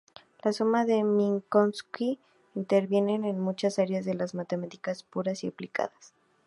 La suma de Minkowski interviene en muchas áreas de las matemáticas puras y aplicadas.